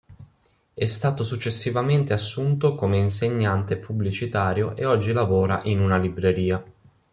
È stato successivamente assunto come insegnante pubblicitario e oggi lavora in una libreria.